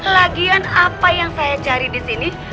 lagian apa yang saya cari disini